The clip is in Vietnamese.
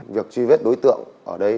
việc truy vết đối tượng ở đây